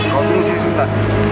kau pusing sudah